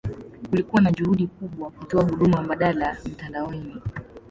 Kulikuwa na juhudi kubwa kutoa huduma mbadala mtandaoni.